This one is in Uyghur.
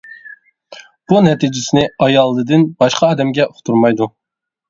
بۇ نەتىجىسىنى ئايالىدىن باشقا ئادەمگە ئۇقتۇرمايدۇ.